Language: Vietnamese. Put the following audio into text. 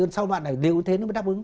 sau bạn này liều thế nó mới đáp ứng